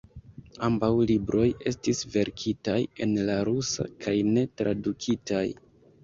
Ambaŭ libroj estis verkitaj en la rusa kaj ne tradukitaj.